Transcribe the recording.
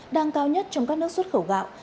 đang cao nhất trong các nước xuất khẩu gạo